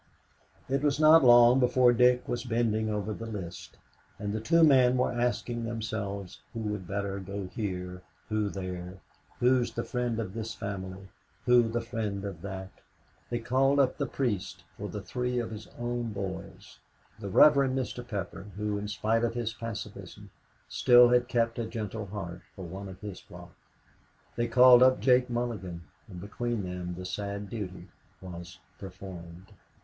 It was not long before Dick was bending over the list; and the two men were asking themselves who would better go here, who there, who's the friend of this family, who the friend of that? They called up the priest for the three of his own boys; the Rev. Mr. Pepper, who, in spite of his pacifism, still had kept a gentle heart, for one of his flock. They called up Jake Mulligan, and between them the sad duty was performed.